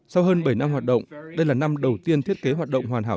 sau hơn bảy năm hoạt động đây là năm đầu tiên thiết kế hoạt động hoàn hảo